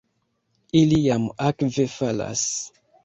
Ili jam akve falas.